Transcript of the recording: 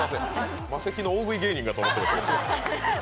マセキの大食い芸人かと思ってました。